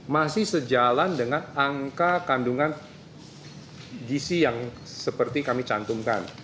masih sejalan dengan angka kandungan gisi yang seperti kami cantumkan